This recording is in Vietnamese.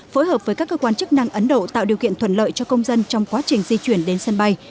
phối hợp với các cơ quan chức năng ấn độ tạo điều kiện thuận lợi cho công dân trong quá trình di chuyển đến sân bay